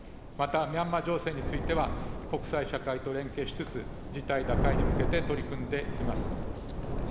またミャンマー情勢については、国際社会と連携しつつ、事態打開に向けて取り組んでいきます。